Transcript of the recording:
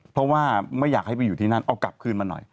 เพราะว่าไม่อยากให้ไปอยู่ที่นั่นเอากลับคืนมาหน่อย